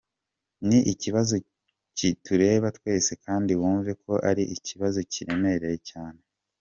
ni ikibazo kitureba twese kandi wumve ko ari ikibazo kiremereye cyane.